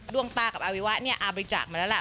ดวงตากับอาวิวะเนี่ยอาบริจาคมาแล้วล่ะ